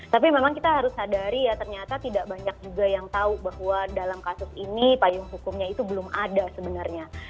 tapi memang kita harus sadari ya ternyata tidak banyak juga yang tahu bahwa dalam kasus ini payung hukumnya itu belum ada sebenarnya